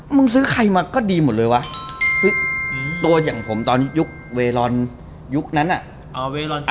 มึงซื้อใครมาก็ดีหมดเลยวะซื้อตัวอย่างผมตอนยุคเวลอนยุคนั้นอ่ะ